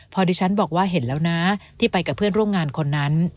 พอดิฉันบอกว่าเห็นแล้วนะที่ไปกับเพื่อนร่วมงานคนนั้น